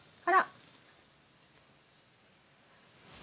あら？